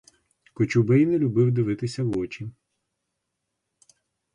Кочубей не любив дивитися в очі.